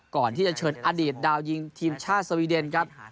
ก่อนที่จะเชิญอดีตดาวยิงทีมชาติสวีเดนครับ